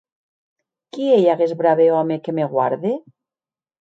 Qui ei aguest brave òme que me guarde?